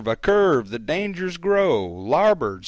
a curve! the dangers grow! "Labbord!